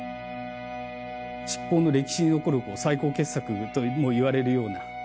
七宝の歴史に残る最高傑作ともいわれるような。